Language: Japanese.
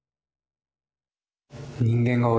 人間が多い。